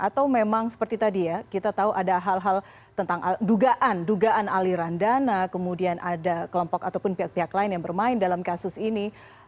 atau memang seperti tadi ya kita tahu ada hal hal tentang dugaan dugaan aliran dana kemudian ada kelompok ataupun pihak pihak lain yang bermain dalam kasus ini